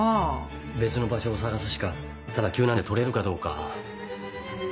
別の場所を探すしかただ急なんで取れるかどうか。